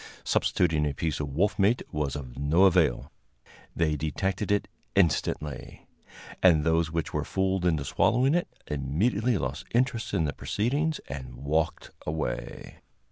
Substituting a piece of wolf meat was of no avail; they detected it instantly, and those which were fooled into swallowing it immediately lost interest in the proceedings and walked away.